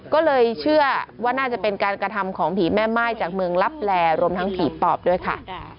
ก็เลยเชื่อว่าน่าจะเป็นการกระทำของผีแม่ม่ายจากเมืองลับแลรวมทั้งผีปอบด้วยค่ะ